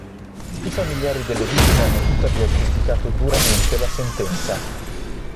I familiari delle vittime hanno tuttavia criticato duramente la sentenza.